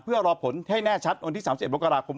เพื่อรอผลให้แน่ชัดวันที่๓๑มกราคม